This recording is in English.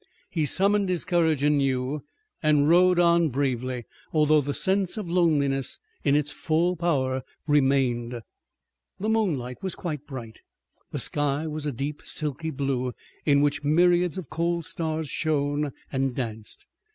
He summoned his courage anew and rode on bravely, although the sense of loneliness in its full power remained. The moonlight was quite bright. The sky was a deep silky blue, in which myriads of cold stars shone and danced.